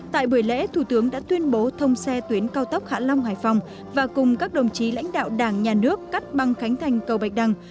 tại buổi lễ thủ tướng đã tuyên bố thông xe tuyến cao tốc hạ long hải phòng và cùng các đồng chí lãnh đạo đảng nhà nước cắt băng khánh thành cầu bạch đăng